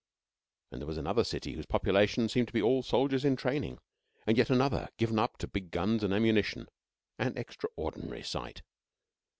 And there was another city whose population seemed to be all soldiers in training; and yet another given up to big guns and ammunition an extraordinary sight.